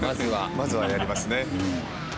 まずはやりますね。